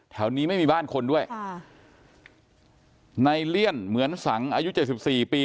แถวนี้ไม่มีบ้านคนด้วยในเลี่ยนเหมือนสังอายุ๗๔ปี